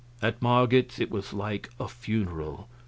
At Marget's it was like a funeral.